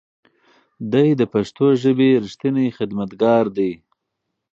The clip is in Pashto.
دی د پښتو ژبې رښتینی خدمتګار دی.